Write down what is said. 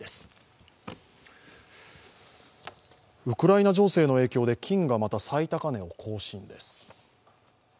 ウクライナ情勢の影響で金がまた最高値を更新です。